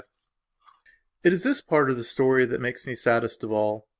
V IT is this part of the story that makes me saddest of all.